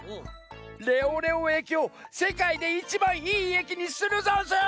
レオレオえきをせかいでいちばんいいえきにするざんす！